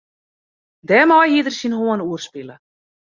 Dêrmei hied er syn hân oerspile.